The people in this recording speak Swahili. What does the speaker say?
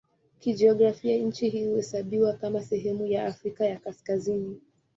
Kijiografia nchi hii huhesabiwa kama sehemu ya Afrika ya Kaskazini.